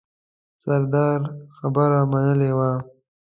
سردار خبره منلې وه.